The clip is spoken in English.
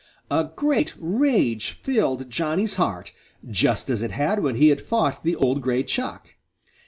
A great rage filled Johnny's heart, just as it had when he had fought the old gray Chuck.